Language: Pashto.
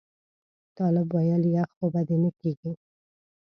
طالب ویل یخ خو به دې نه کېږي.